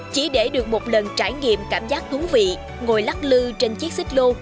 chỉ để được một lần trải nghiệm cảm giác thú vị ngồi lắc lư trên chiếc xích lô